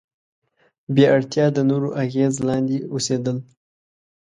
بې اړتیا د نورو اغیز لاندې اوسېدل.